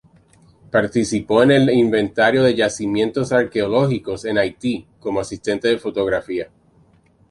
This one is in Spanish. Participó en el inventario de yacimientos arqueológicos en Haití, como asistente de fotografía.